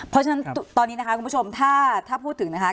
เพราะฉะนั้นตอนนี้นะคะคุณผู้ชมถ้าพูดถึงนะคะ